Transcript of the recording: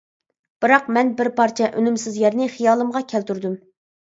بىراق، مەن بىر پارچە ئۈنۈمسىز يەرنى خىيالىمغا كەلتۈردۈم.